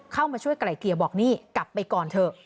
เข้ามาช่วยไกล่เกลี่ยบอกนี่กลับไปก่อนเถอะ